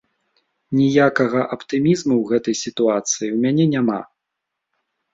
Ніякага аптымізму ў гэтай сітуацыі ў мяне няма.